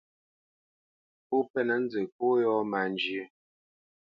Pó mpénə̄ nzə pó yɔ̂ má njyə́.